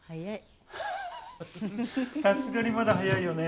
さすがにまだ早いよね。